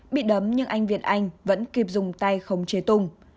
bị đấm nhưng anh việt anh vẫn kịp dùng tay khống chế tung